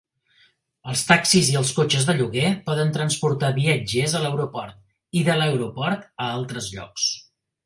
Els taxis i els cotxes de lloguer poden transportar viatgers a l'aeroport, i de l'aeroport a altres llocs.